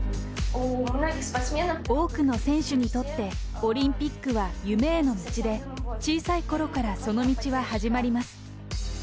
多くの選手にとって、オリンピックは夢への道で、小さいころからその道は始まります。